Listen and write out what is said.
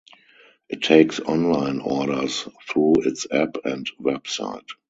It takes online orders through its app and website.